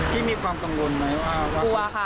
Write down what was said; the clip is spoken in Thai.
พี่มีความต้องลุงไหมรึเปล่า